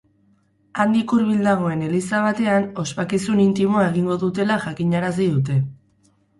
Handik hurbil dagoen eliza batean ospakizun intimoa egingo dutela jakinarazi dute.